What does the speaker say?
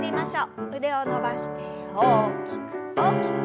腕を伸ばして大きく大きく。